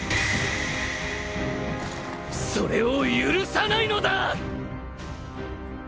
それを許さないのだ！